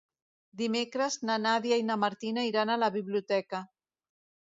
Dimecres na Nàdia i na Martina iran a la biblioteca.